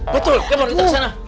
betul kemana kita kesana